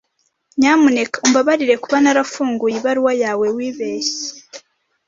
Nyamuneka umbabarire kuba narafunguye ibaruwa yawe wibeshye.